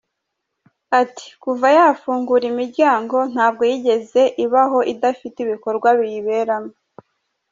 Ati “Kuva yafungura imiryango ntabwo yigeze iba aho idafite ibikorwa biyiberamo.